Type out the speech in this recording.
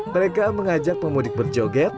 mereka mengajak pemudik berjoget